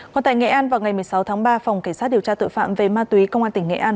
còn tại nghệ an vào ngày một mươi sáu tháng ba phòng cảnh sát điều tra tội phạm về ma túy công an tỉnh nghệ an